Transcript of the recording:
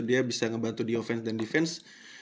dia bisa ngebantu di offense dan defense